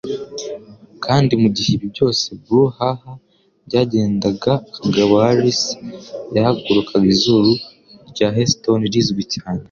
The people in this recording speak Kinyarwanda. Kandi mugihe ibi byose brouhaha byagendaga Kagabo Harris yahagurukaga izuru rya Heston rizwi cyane